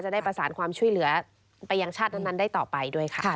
ได้ประสานความช่วยเหลือไปยังชาตินั้นได้ต่อไปด้วยค่ะ